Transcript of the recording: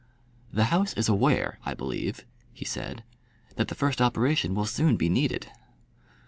"The House is aware, I believe," he said, "that the first operation will soon be needed."